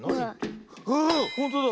うわっほんとだ。